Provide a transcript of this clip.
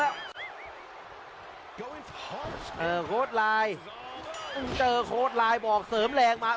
เออโค้ดลายเจอโค้ดลายบอกเสริมแรงมา